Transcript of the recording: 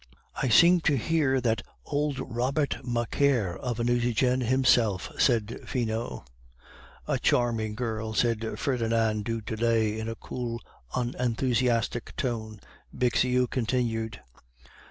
'" "I seem to hear that old Robert Macaire of a Nucingen himself," said Finot. "'A charming girl,' said Ferdinand du Tillet in a cool, unenthusiastic tone," Bixiou continued.